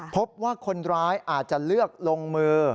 พบว่าคนร้ายอาจจะเลือกลงมือ